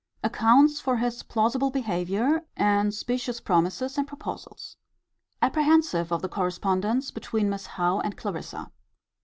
Accounts for his plausible behaviour, and specious promises and proposals. Apprehensive of the correspondence between Miss Howe and Clarissa.